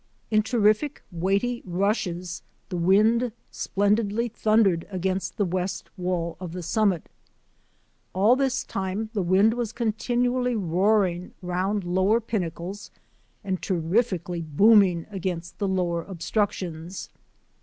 In terrific, weighty rushes the wind splendidly thundered against the west wall of the summit. All this time the wind was continuously roaring round lower pinnacles and terrifically booming against the lower obstructions.